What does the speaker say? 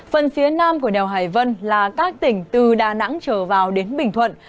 phần phía nam của đèo hải vân là các tỉnh từ đà nẵng trở vào đến bình thuận